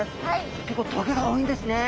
結構棘が多いんですね。